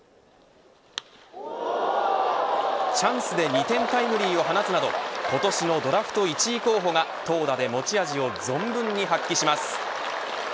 チャンスで２点タイムリーを放つなど今年のドラフト１位候補が投打で持ち味を存分に発揮します。